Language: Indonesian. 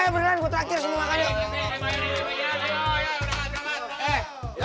beneran gue traktir semua makannya